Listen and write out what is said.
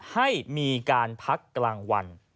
ให้มีการพักกลางวัน